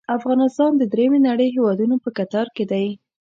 افغانستان د دریمې نړۍ هیوادونو په کتار کې دی.